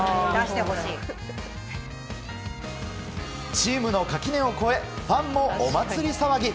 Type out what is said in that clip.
チームの垣根を超えファンもお祭り騒ぎ！